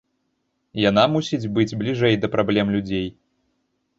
Яна мусіць быць бліжэй да праблем людзей.